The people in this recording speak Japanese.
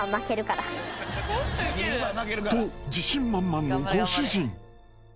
［と自信満々のご主人］